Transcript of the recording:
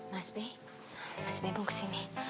mas bi mas bi mau kesini